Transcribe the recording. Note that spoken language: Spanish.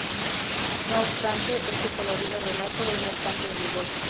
No obstante, este colorido relato es bastante dudoso.